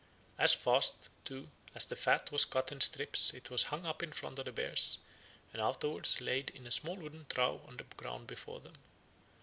As fast, too, as the fat was cut in strips it was hung up in front of the bears, and afterwards laid in a small wooden trough on the ground before them.